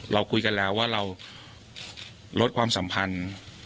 เราคุยกันแล้วว่าเราลดความสัมพันธ์